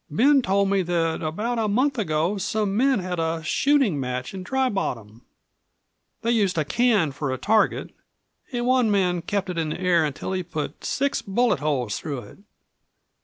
"Ben told me that about a month ago some men had a shooting match in Dry Bottom. They used a can for a target, and one man kept it in the air until he put six bullet holes through it.